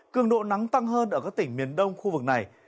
cường độ nắng tăng hơn ở các tỉnh miền đông khu vực này